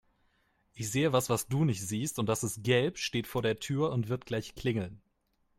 Ich sehe was, was du nicht siehst und das ist gelb, steht vor der Tür und wird gleich klingeln.